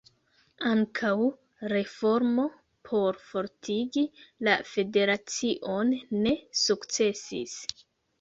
Ankaŭ reformo por fortigi la federacion ne sukcesis.